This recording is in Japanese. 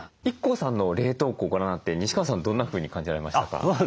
ＩＫＫＯさんの冷凍庫ご覧になって西川さんどんなふうに感じられましたか？